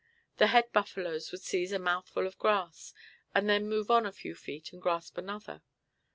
The head buffaloes would seize a mouthful of grass, and then move on a few feet and grasp another.